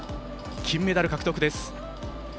金メダル獲得です。